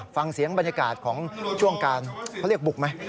ฟังเสียงบรรยากาศของช่วงการเขาเรียกบุกไหม